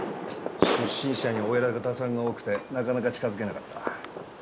出身者にお偉方さんが多くてなかなか近づけなかった。